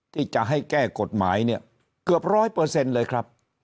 ที่จะให้แก้กฎหมายเนี่ยเกือบร้อยเปอร์เซ็นต์เลยครับ